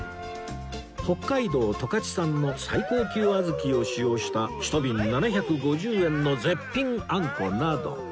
北海道十勝産の最高級小豆を使用した１瓶７５０円の絶品あんこなど